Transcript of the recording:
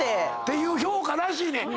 ていう評価らしいねん。